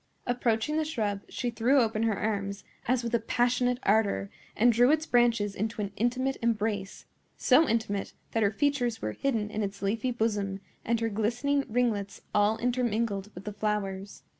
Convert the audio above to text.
Approaching the shrub, she threw open her arms, as with a passionate ardor, and drew its branches into an intimate embrace—so intimate that her features were hidden in its leafy bosom and her glistening ringlets all intermingled with the flowers.